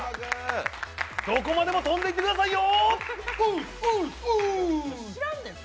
どこまでも飛んでいってくださいよ。